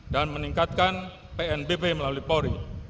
dan meningkatkan pnbp melalui pori